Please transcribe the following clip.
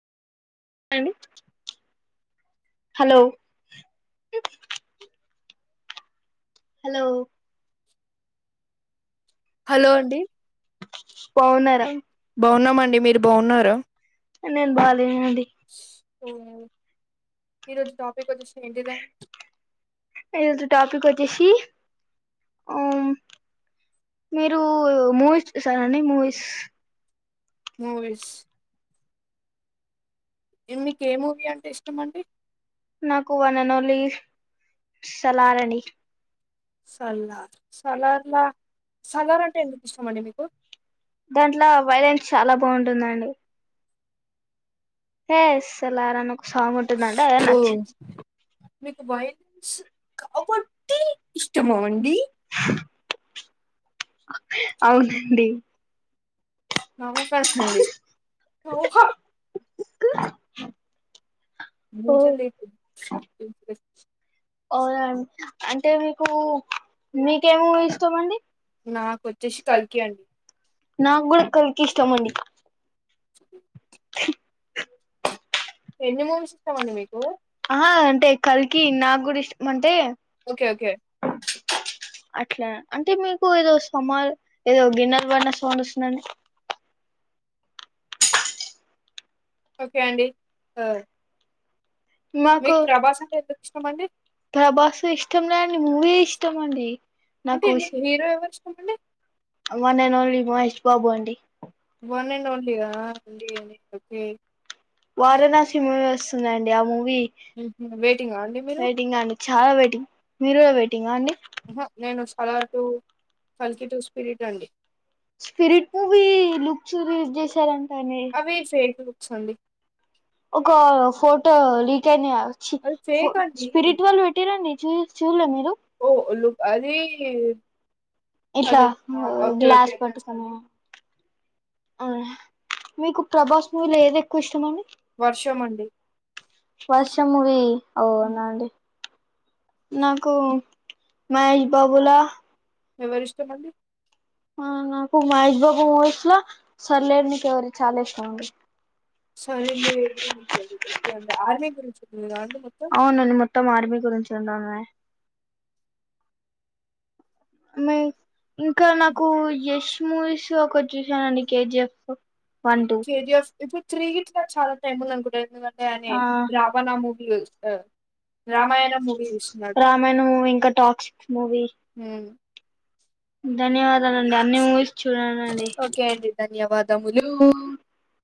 Hello hello hello అండి పావున్నారా బాగున్నామండి మీరు బాగున్నార. నేన్ బా లేనండి ఈరోజు టాపిక్ వచ్చేసి ఏంటిదం ఏ రోజు టాపిక్ వచ్చేసి ఆ మీరు మూవీస్ చూసారండి మూవీస్ మూవీస్ ఏం మీకు ఎ మూవీ అంటే ఇష్టం అండి నాకు వన్ అండ్ ఓన్లీ సలార్ అండి సలార్ సలార్ లా సలార్ అంటే ఎందుకు ఇష్టంమండి మీకు. దాంట్ల వైలెన్స్ చాలా బాగుంటుందండి. ఏ సలార్ అని ఒక సాంగ్ ఉంటుందండి అదే ఓ నచ్చింది మీకు వైట్స్ కాబట్టి ఇష్టమా అండి. అవునండి. నవకహండి నవ్వుహ ఉకు మూజు నీకు [unintelligible] అవునాండి అంటే మీకు మీకే మూవీ ఇస్టమండి. నాకు వచ్చేసి కల్కి కల్కె. అండి నాకు కూడా కల్కి ఇష్టం అండి. ఎన్ని మూవీస్ ఇష్టమండి మీకు అహ అంటే కల్కి కి నాగూడా ఇష్టం అంటే ఓకే ఓకే అట్లా అంటే మీకు ఏదో సమార్ ఏదో గిన్నర్ వడిన సౌండ్ వస్తుందండి. ఓకే అండి ఆ మీకు ప్రభాస్ అంటే ఎందుకు ఇష్టంమండి? తబాస్ ఇష్టం లే అండి మూవీ ఇష్టం అండి. అంటే నాకు మీకు హీరో ఎవరు ఇష్టం అండి. One and only Mahesh Babu అండి. వన్ అండ్ ఓన్లీ గా అండి అని ఓకే వారణాసి మూవీ వస్తుందండి. ఆ మూవీ హుహు. వెయిటింగ్ అండి. చాలా వెయిటింగ్ మీరు కూడా వెయిటింగా అండి అహ నేను సలార్ టు కల్కి టూ స్పిరిట్ అండి. స్పిరిట్ మూవీ లుక్స్ రీడ్ చేసారండి. అవి ఫేక్ లుక్స్ అండి. ఒక ఫోటో లీక్ అయిన చి అవి ఫు స్పిరిట్ వాల్ పెట్టిరండి చూస్ ఓ లు అదీ ఇట్ల ఓ గ్లాస్ పట్టుకొని ఆ మీకు ప్రభాస్ మూవీలో ఏది ఎక్కువ ఇష్టం అండి. వర్షం! వర్షం మూవీ ఓనా హ్మ్. అండి. నాకు మహేష్ బాబులా ఎవరిష్టంమండి? ఆ నాకు మహేష్ బాబు మూవీస్ లో సరే సరిలేరు నీకెవ్వరు చాలా ఇష్టం అండి. సరేలే ఓకే అండి ఆర్మీ గురించి ఉందా అండి మొత్తం అవునండి మొత్తం ఆర్మీ గురించి ఉండమే ఇంకా నాకు యష్ మూవీస్ ఒకటి చూసానండి కేజీఎఫ్ కేజీఎఫ్ ఇప్పుడు త్రీ గీట్ చాలా టైం ఉంది అనుకుంట ఎందుకంటే అనే ఆ రావణా మూవీ [inaudible] రామాయణ రామాయణం మూవీ తీస్తున్నాడు రామాయణం మూవీ ఇంకా టాక్సిక్స్ మూవీ ధన్యవాదాలండి అన్ని మూవీస్ చూడను అండి బదములు